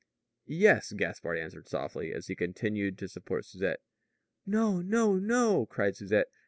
"Yes," Gaspard answered softly, as he continued to support Susette. "No, no, no!" cried Susette.